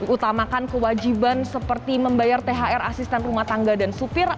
utamakan kewajiban seperti membayar thr asisten rumah tangga dan supir